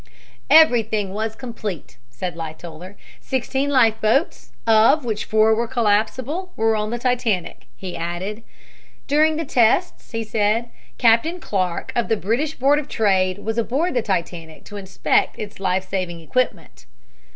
"Everything was complete," said Lightoller. "Sixteen life boats, of which four were collapsible, were on the Titanic," he added. During the tests, he said, Captain Clark, of the British Board of Trade, was aboard the Titanic to inspect its life saving equipment.